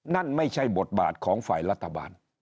นั่นไม่ใช่บทบาทของฝ่ายรัฐบาล